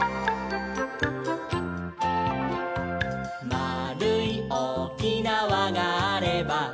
「まあるいおおきなわがあれば」